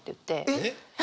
えっ？